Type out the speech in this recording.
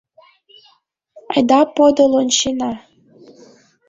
Айда подыл ончена?